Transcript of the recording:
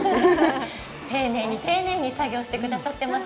丁寧に丁寧に作業してくださってます